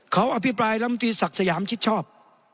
เขาอภิปรายลำตีศักดิ์สยามชิดชอบ